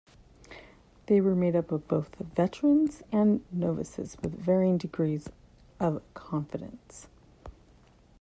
They were made up of both veterans and novices with varying degrees of confidence.